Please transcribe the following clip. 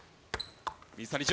水谷隼。